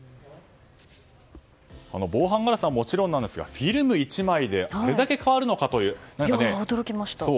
防犯ガラスはもちろんなんですがフィルム１枚でこれだけ変わるのかという。